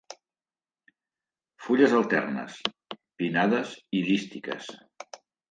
Fulles alternes, pinnades i dístiques.